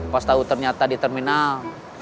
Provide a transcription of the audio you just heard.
pas tahu ternyata di terminal